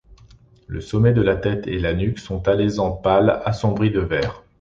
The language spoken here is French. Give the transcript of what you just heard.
Le sommet de la tête et la nuque sont alezan pâle assombri de vert.